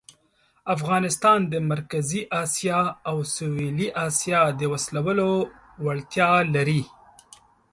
افغانستان د مرکزي آسیا او سویلي آسیا د وصلولو وړتیا لري.